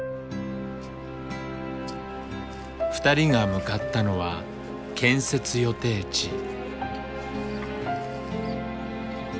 ２人が向かったのは建設予定地。